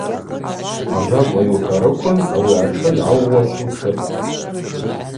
Ажвакӏла йухӏварыквын, ауи атшы йгӏаууачву тшыпӏ.